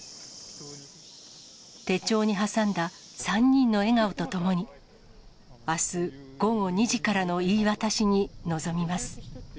手帳に挟んだ３人の笑顔とともに、あす午後２時からの言い渡しに臨みます。